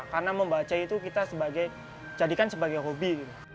karena membaca itu kita jadikan sebagai hobi